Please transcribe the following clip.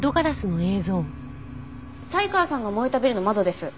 才川さんが燃えたビルの窓です。